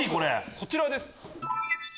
こちらです。